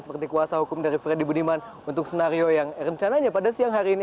seperti kuasa hukum dari freddy budiman untuk senario yang rencananya pada siang hari ini